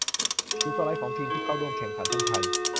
ดูสไลด์ของทีมที่เข้าร่วมแข่งขันทั้งไทย